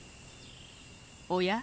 おや？